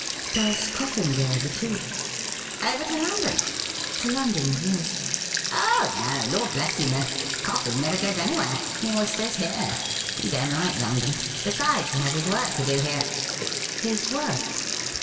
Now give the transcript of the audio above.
' Does Coffin go over too ?'' Over to London .?'' To London — yes.' ' Oh no ! Lord bless you, no ! Coffin never goes any where. He always stays here. He don't like London. Besides, he has his work to do here.' ' His work